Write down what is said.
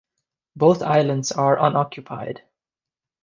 Both islands are unoccupied.